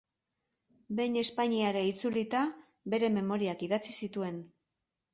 Behin Espainiara itzulita, bere memoriak idatzi zituen.